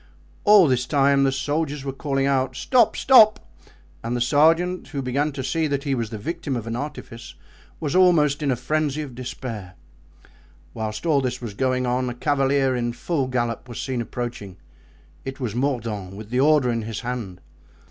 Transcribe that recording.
All this time the soldiers were calling out, "Stop! stop!" and the sergeant, who began to see that he was the victim of an artifice, was almost in a frenzy of despair. Whilst all this was going on, a cavalier in full gallop was seen approaching. It was Mordaunt with the order in his hand.